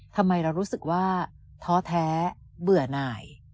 ทำไมเรารู้สึกว่าท้อแท้เบื่อหน่าย